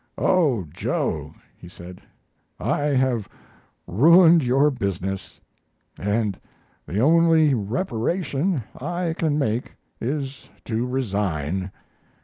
"Oh, Joe," he said, "I have ruined your business, and the only reparation I can make is to resign.